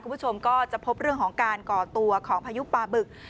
คุณผู้ชมก็จะพบเรื่องของการก่อตัวของพายุปลาบึก